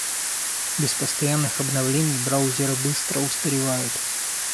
Без постоянных обновлений браузеры быстро устаревают.